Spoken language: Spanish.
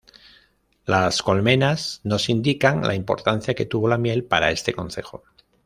Las colmenas nos indican la importancia que tuvo la miel para este concejo.